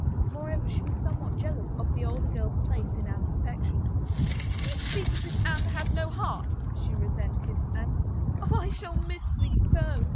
Moreover, she was somewhat jeal ous of the older girl's place in Anne's affections. "You speak as if Anne had no heart," she cesented, and, " Oh, I shall miss thee so